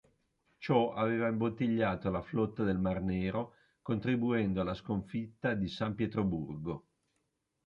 Ciò aveva imbottigliato la flotta del Mar Nero contribuendo alla sconfitta di San Pietroburgo.